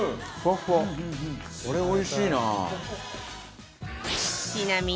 これおいしいな。